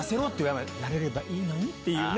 なれればいいのにって。